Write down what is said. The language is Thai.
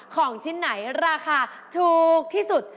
ของชิ้นไหนราคาถูกที่สุด